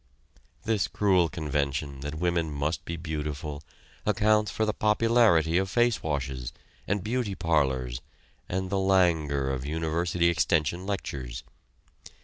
This cruel convention that women must be beautiful accounts for the popularity of face washes, and beauty parlors, and the languor of university extension lectures.